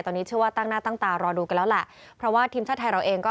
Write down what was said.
ตอนนี้เชื่อว่าตั้งหน้าตั้งตารอดูกันแล้วแหละเพราะว่าทีมชาติไทยเราเองก็